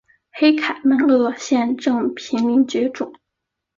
黑凯门鳄现正濒临绝种。